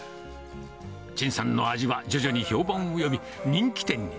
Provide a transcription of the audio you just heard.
陳さんの味は徐々に評判を呼び人気店に。